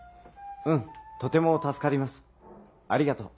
うんとても助かりますありがとう。